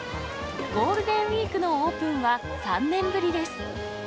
ゴールデンウィークのオープンは３年ぶりです。